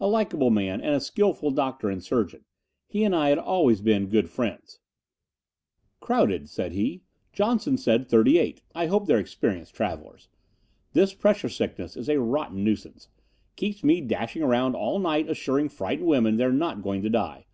A likable man, and a skillful doctor and surgeon. He and I had always been good friends. "Crowded," he said. "Johnson says thirty eight. I hope they're experienced travelers. This pressure sickness is a rotten nuisance keeps me dashing around all night assuring frightened women they're not going to die.